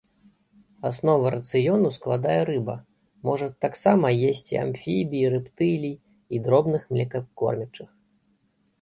Аснову рацыёну складае рыба, можа таксама есці амфібій, рэптылій і дробных млекакормячых.